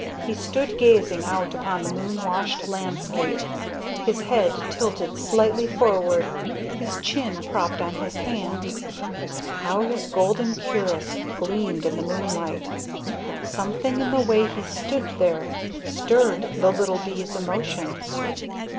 He stood gazing out upon the moon washed landscape, his head tilted slightly forward, his chin propped on his hand. How his golden cuirass gleamed in the moonlight! Something in the way he stood there stirred the little bee's emotions.